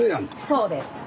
そうです。